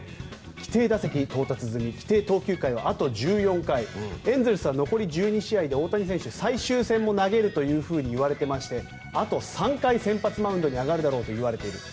規定打席到達済み規定投球回はあと１４回エンゼルス、残り１２試合で大谷選手は最終戦も投げるといわれていましてあと３回、先発マウンドに上がるだろうといわれている。